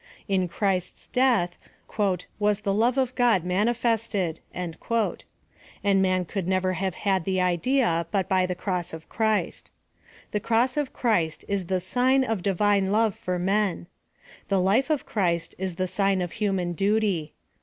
In Christ's death " was the love of God manifested" — and man could never have had the idea but by the cross of Christ. The cross of Christ is the sig n of Divine love for men. The life of Christ is the sign of human duty.